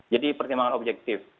jadi pertimbangan objektif